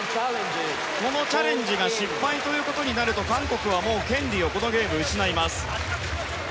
このチャレンジが失敗ということになると韓国はもう権利をこのゲーム、失います。